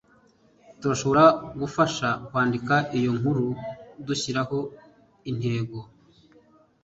turashobora gufasha kwandika iyo nkuru dushyiraho intego